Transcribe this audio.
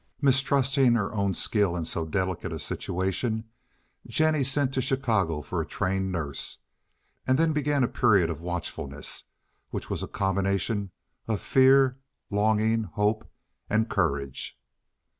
Mistrusting her own skill in so delicate a situation, Jennie sent to Chicago for a trained nurse, and then began a period of watchfulness which was a combination of fear, longing, hope, and courage.